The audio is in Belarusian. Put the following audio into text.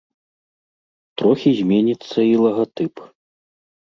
Трохі зменіцца і лагатып.